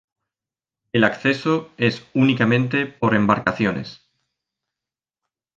El acceso es únicamente por embarcaciones.